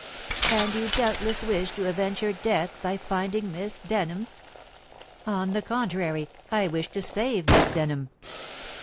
"And you doubtless wish to avenge her death by finding Miss Denham?" "On the contrary, I wish to save Miss Denham."